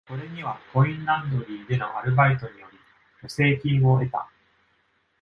これにはコインランドリーでのアルバイトにより助成金を得た。